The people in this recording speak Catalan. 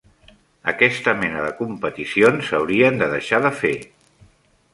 Aquesta mena de competicions s'haurien de deixar de fer.